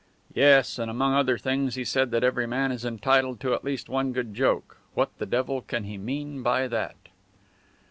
"Yes. And among other things he said that every man is entitled to at least one good joke. What the devil can he mean by that?"